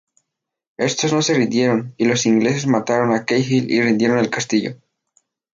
Estos no se rindieron y los ingleses mataron a Cahill y rindieron el castillo.